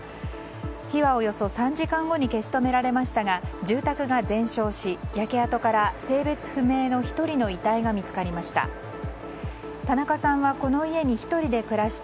火はおよそ３時間後に消し止められましたが住宅が全焼し、焼け跡から性別不明の１人の遺体が見つかりました。